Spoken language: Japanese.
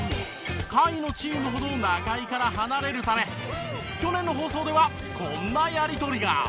下位のチームほど中居から離れるため去年の放送ではこんなやり取りが。